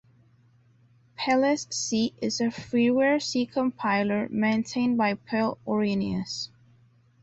Pelles C is a freeware C compiler maintained by Pelle Orinius.